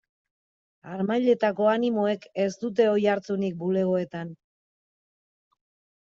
Harmailetako animoek ez dute oihartzunik bulegoetan.